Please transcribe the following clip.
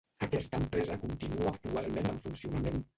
Aquesta empresa continua actualment en funcionament.